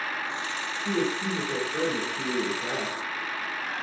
She accuses her friend of cheating in class.